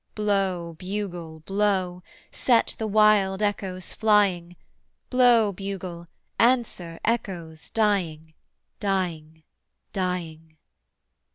Blow, bugle, blow, set the wild echoes flying, Blow, bugle; answer, echoes, dying, dying, dying.